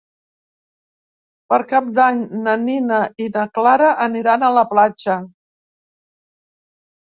Per Cap d'Any na Nina i na Clara aniran a la platja.